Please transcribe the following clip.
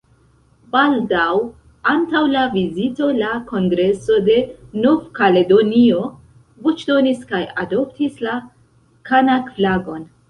Baldaŭ antaŭ la vizito, la Kongreso de Nov-Kaledonio voĉdonis kaj adoptis la Kanak-flagon.